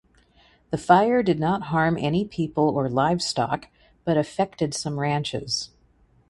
The fire did not harm any people or livestock but affected some ranches.